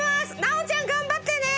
ナオちゃん頑張ってね！